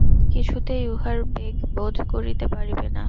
কিছুতেই উহার বেগ রোধ করিতে পারিবে না।